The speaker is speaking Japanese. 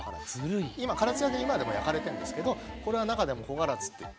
唐津焼って今でも焼かれてるんですけどこれは中でも古唐津といって。